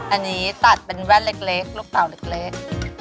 อันนี้ตัดเป็นแว่นเล็กลูกเต่าเล็ก